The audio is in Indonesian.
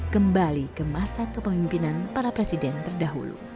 kembali ke masa kepemimpinan para presiden terdahulu